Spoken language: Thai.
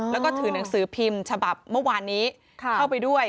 แล้วก็ถือหนังสือพิมพ์ฉบับเมื่อวานนี้เข้าไปด้วย